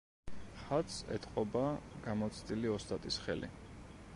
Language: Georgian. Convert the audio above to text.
ხატს ეტყობა გამოცდილი ოსტატის ხელი.